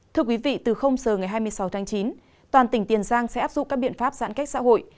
thưa quý vị từ giờ ngày hai mươi sáu tháng chín toàn tỉnh tiền giang sẽ áp dụng các biện pháp giãn cách xã hội